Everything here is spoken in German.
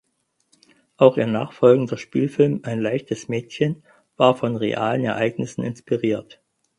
Auch ihr nachfolgender Spielfilm "Ein leichtes Mädchen" war von realen Ereignissen inspiriert.